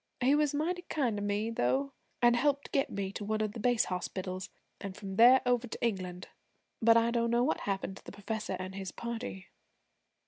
'He was mighty kind to me, though, an' helped get me to one of the base hospitals, an' from there over to England. But I don't know what happened to the professor an' his party.'